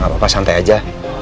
apa apa santai aja